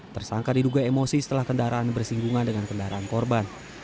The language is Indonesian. tersangka diduga emosi setelah kendaraan bersinggungan dengan kendaraan korban